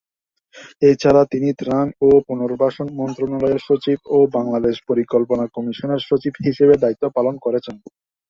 এছাড়া তিনি ত্রাণ ও পুনর্বাসন মন্ত্রণালয়ের সচিব ও বাংলাদেশ পরিকল্পনা কমিশনের সচিব হিসেবে দায়িত্ব পালন করেছেন।